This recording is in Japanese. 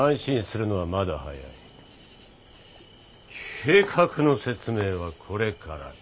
計画の説明はこれからだ。